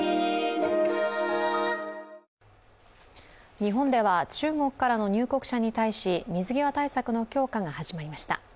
日本では中国からの入国者に対し水際対策の強化が始まりました。